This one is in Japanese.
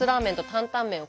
タンタン麺が。